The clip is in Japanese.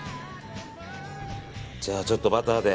じゃあ、ちょっとバターで。